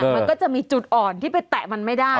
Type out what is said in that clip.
มันก็จะมีจุดอ่อนที่ไปแตะมันไม่ได้